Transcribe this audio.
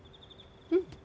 うん。